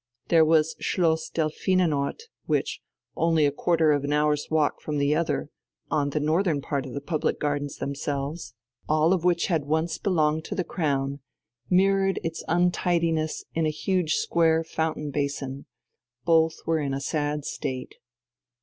There was Schloss Delphinenort which, only a quarter of an hour's walk from the other, in the northern part of the public gardens themselves, all of which had once belonged to the Crown, mirrored its untidiness in a huge square fountain basin; both were in a sad state.